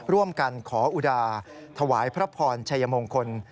ร่วมกันขออุดาถวายพระพรชัยมงคล